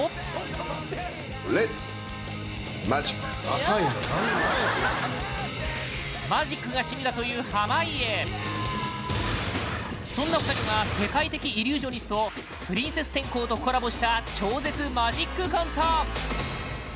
続いてはマジックが趣味だという濱家そんな２人が世界的イリュージョニストプリンセス天功とコラボした超絶マジックコント